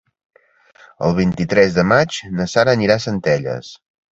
El vint-i-tres de maig na Sara anirà a Centelles.